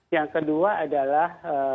yang kedua adalah